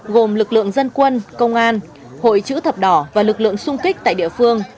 gồm lực lượng dân quân công an hội chữ thập đỏ và lực lượng sung kích tại địa phương